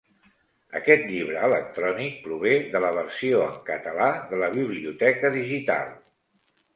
Aquest llibre electrònic prové de la versió en català de la biblioteca digital.